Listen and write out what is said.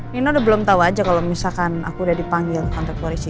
nino udah belum tau aja kalau misalkan aku udah dipanggil ke kantor polisi